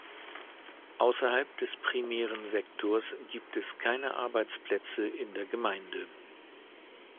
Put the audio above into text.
Außerhalb des primären Sektors gibt es keine Arbeitsplätze in der Gemeinde.